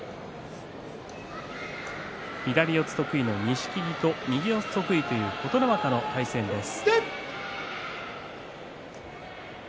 左四つ得意の錦木右四つ得意の琴ノ若の対戦です。